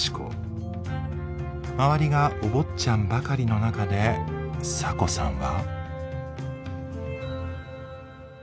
周りがお坊ちゃんばかりの中でサコさんは。